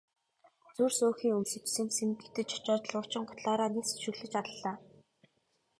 Зүр сөөхий өмсөж сэм сэм гэтэж очоод луучин гутлаараа няц өшиглөж аллаа.